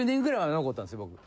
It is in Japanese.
僕。